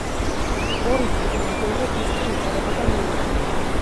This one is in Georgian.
ორი თვის მანძილზე დისკი იწერებოდა მიუნხენში.